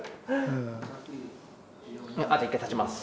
あと一回立ちます。